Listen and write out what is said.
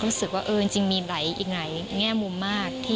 ก็รู้สึกว่าจริงมีหลายแง่มุมทุกอย่าง